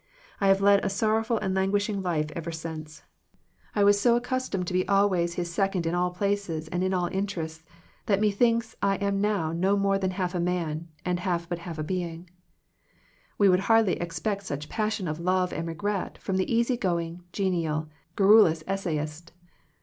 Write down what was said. I have led a sorrowful and languishing life ever since. I was so accustomed to be al 21 Digitized by VjOOQIC THE MIRACLE OF FRIENDSHIP ways his second in all places and in all interests, that methinks I am now no more than half a man, and have but half a being." We would hardly expect such passion of love and regret from the easy going, genial, garrulous essayist.